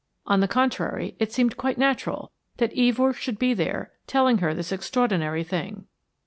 On the contrary, it seemed quite natural that Evors should be there telling her this extraordinary thing.